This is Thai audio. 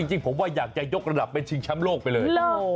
จริงผมว่าอยากจะยกระดับเป็นชิงแชมป์โลกไปเลย